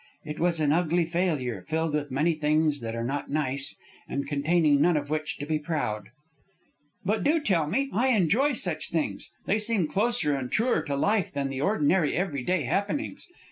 It was an ugly failure, filled with many things that are not nice, and containing nothing of which to be proud." "But do tell me, I enjoy such things. They seem closer and truer to life than the ordinary every day happenings.